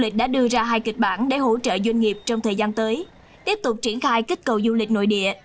cả hai kịch bản để hỗ trợ doanh nghiệp trong thời gian tới tiếp tục triển khai kích cầu du lịch nội địa